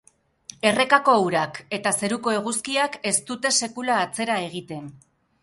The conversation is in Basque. Errekako urak eta zeruko eguzkiak ez dute sekula atzera egiten!